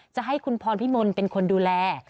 จะให้คุณพรพิมลเป็นคนดูแล